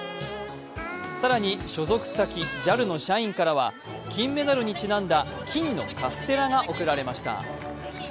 更に所属先、ＪＡＬの社員からは金メダルにちなんだ、金のカステラが贈られました。